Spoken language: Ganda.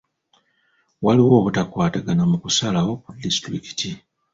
Waliwo obutakwatagana mu kusalawo ku disitulikiti.